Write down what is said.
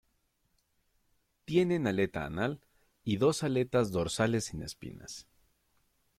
Tienen aleta anal, y dos aletas dorsales sin espinas.